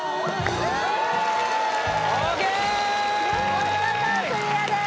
お見事クリアです